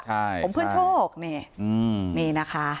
ผมเพื่อนโชค